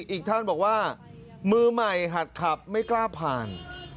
อีกท่านบอกว่ามือใหม่หัดขับไม่กล้าผ่าน